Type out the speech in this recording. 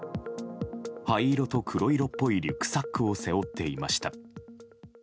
灰色と黒色っぽいリュックサックを背負っていました。